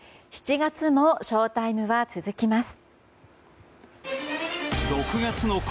７月もショータイムは続きます。